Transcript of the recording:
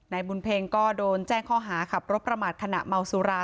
บุญเพ็งก็โดนแจ้งข้อหาขับรถประมาทขณะเมาสุรา